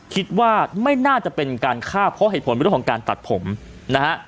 คิดว่าไม่น่าจะเป็นการฆ่าเพราะเหตุผลเรื่องของการตัดผมนะฮะ